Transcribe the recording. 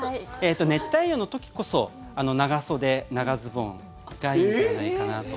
熱帯夜の時こそ長袖、長ズボンがいいんじゃないかなと。